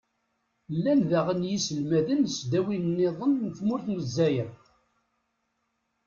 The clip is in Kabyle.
llan daɣen yiselmaden n tesdawin-nniḍen n tmurt n lezzayer.